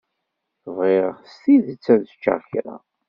Bɣiɣ s tidet ad ččeɣ kra.